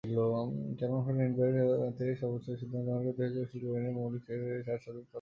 Chairman হলেন এনবিআর-তে সর্বোচ্চ সিদ্ধান্ত গ্রহণকারী কর্তৃপক্ষ, শুল্ক উইংয়ের মৌলিক কাজগুলি চার সদস্যের তত্ত্বাবধানে হয়ে থাকে।